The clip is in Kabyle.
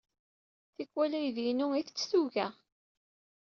Tikkwal, aydi-inu isett tuga.